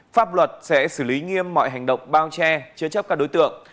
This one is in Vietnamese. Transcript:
pháp luật sẽ xử lý nghiêm mọi hành động bao che chế chấp các đối tượng